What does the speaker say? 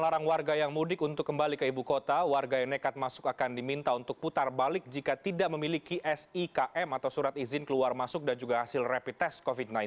melarang warga yang mudik untuk kembali ke ibu kota warga yang nekat masuk akan diminta untuk putar balik jika tidak memiliki sikm atau surat izin keluar masuk dan juga hasil rapid test covid sembilan belas